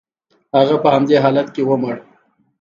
هغه په همدې حالت کې ومړ.